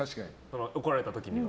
怒られた時には。